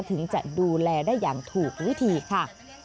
ถึงจะดูแลได้อย่างถูกวิธีค่ะ